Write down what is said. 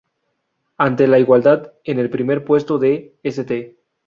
Ante la igualdad en el primer puesto de St.